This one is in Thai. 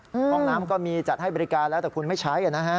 ห้องน้ำก็มีจัดให้บริการแล้วแต่คุณไม่ใช้นะฮะ